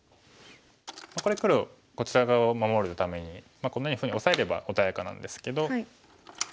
これ黒こちら側を守るためにこんなふうにオサえれば穏やかなんですけど。